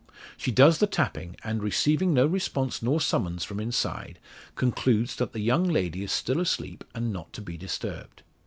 She does the tapping; and, receiving no response nor summons from inside, concludes that the young lady is still asleep and not to be disturbed.